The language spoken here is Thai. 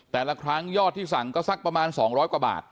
แต่ละครั้งยอดที่สั่งก็สักประมาณ๒๐๐กว่าบาท